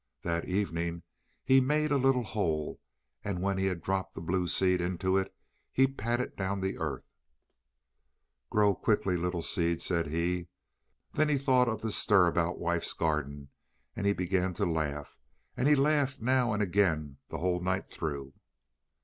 That evening he made a little hole, and when he had dropped the blue seed into it he patted the earth down. "Grow quickly, little seed," said he. Then he thought of the Stir about Wife's garden, and he began to laugh, and he laughed now and again the whole night through.